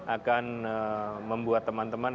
akan membuat teman teman